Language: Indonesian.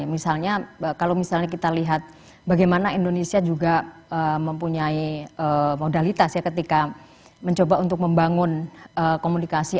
misalnya kalau misalnya kita lihat bagaimana indonesia juga mempunyai modalitas ya ketika mencoba untuk membangun komunikasi